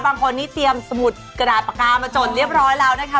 บางคนนี้เตรียมสมุดกระดาษปากกามาจดเรียบร้อยแล้วนะคะ